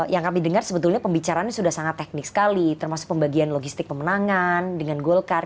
yang kami dengar sebetulnya pembicaraannya sudah sangat teknik sekali termasuk pembagian logistik pemenangan dengan golkar